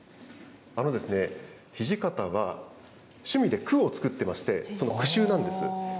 土方が趣味で句を作ってまして、その句集なんです。